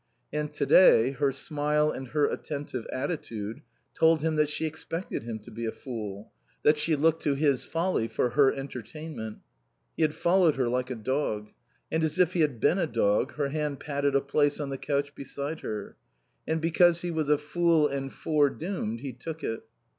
And to day, her smile and her attentive attitude told him that she expected him to be a fool, that she looked to his folly for her entertainment. He had followed her like a dog; and as if he had been a dog her hand patted a place on the couch beside her. And because he was a fool and foredoomed he took it.